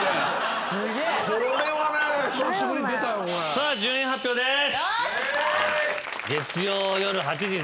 さあ順位発表です！